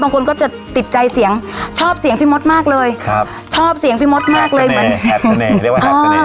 บางคนก็จะติดใจเสียงชอบเสียงพี่มดมากเลยครับชอบเสียงพี่มดมากเลยเรียกว่า